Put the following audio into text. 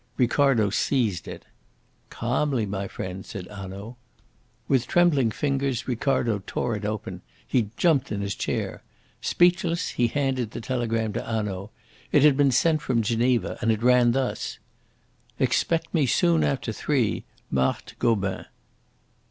Ricardo seized it. "Calmly, my friend," said Hanaud. With trembling fingers Ricardo tore it open. He jumped in his chair. Speechless, he handed the telegram to Hanaud. It had been sent from Geneva, and it ran thus: "Expect me soon after three. MARTHE GOBIN."